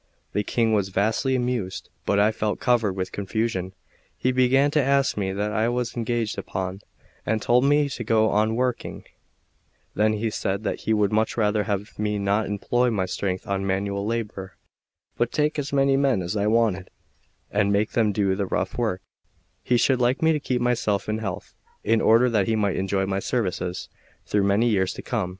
The King was vastly amused, but I felt covered with confusion. He began to ask me what I was engaged upon, and told me to go on working; then he said that he would much rather have me not employ my strength on manual labour, but take as many men as I wanted, and make them do the rough work; he should like me to keep myself in health, in order that he might enjoy my services through many years to come.